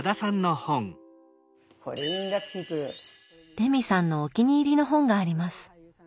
レミさんのお気に入りの本があります。